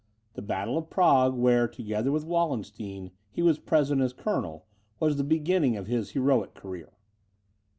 The battle of Prague, where, together with Wallenstein, he was present as colonel, was the beginning of his heroic career.